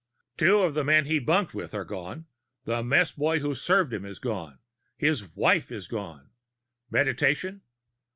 Two of the men he bunked with are gone; the mess boy who served him is gone; his wife is gone. Meditation?